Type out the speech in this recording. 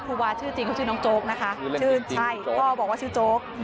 ครูวาชื่อจริงเขาชื่อน้องโจ๊กนะคะชื่อใช่พ่อบอกว่าชื่อโจ๊ก